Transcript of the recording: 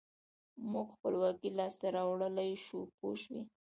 موږ خپلواکي لاسته راوړلای شو پوه شوې!.